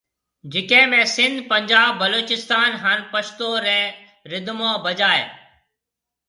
جڪي ۾ سنڌ، پنجاب، بلوچستون، ھان پشتو ري رڌمون بجائي